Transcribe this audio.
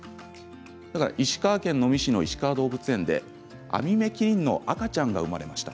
石川県能美市のアミメキリンの赤ちゃんが生まれました。